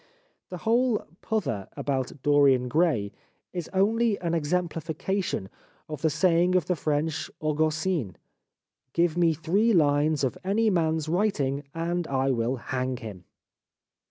The whole pother about " Dorian Gray " is only an exemphfication of the saying of the French argousin :" Give me three lines of any man's writing and I will hang him."